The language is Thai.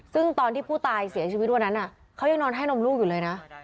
ซึ่งตอนที่ผู้ตายเสียชีวิตวันนั้นเขายังนอนให้นมลูกอยู่เลยนะ